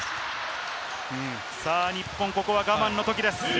日本、ここは我慢のときです。